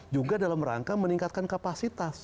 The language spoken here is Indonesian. juga dalam rangka meningkatkan kapasitas